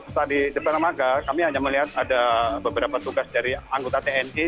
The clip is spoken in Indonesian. setelah di depan maga kami hanya melihat ada beberapa tugas dari anggota tni